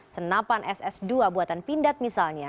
senapan ss dua buatan pindad misalnya